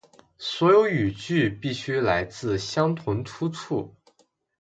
所有语句必须来自相同出处